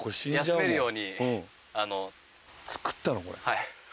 はい。